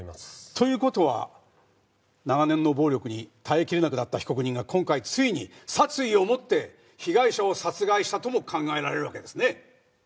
という事は長年の暴力に耐えきれなくなった被告人が今回ついに殺意を持って被害者を殺害したとも考えられるわけですね？